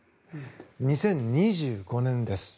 ２０２５年です。